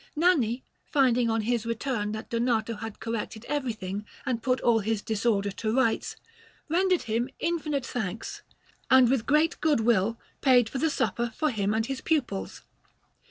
Nanni, finding on his return that Donato had corrected everything and put all his disorder to rights, rendered him infinite thanks, and with great goodwill paid for the supper for him and his pupils.